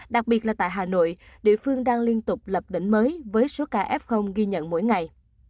đặc biệt là tại hà nội địa phương đang liên tục lập đỉnh mới với số ca f ghi nhận mỗi ngày